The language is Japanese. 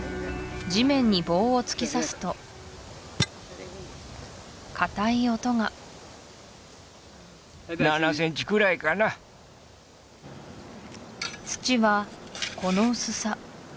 地面に棒を突き刺すと硬い音が７センチくらいかな土はこの薄さ